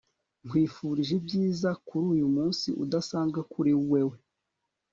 nkwifurije ibyiza kuri uyumunsi udasanzwe kuri wewe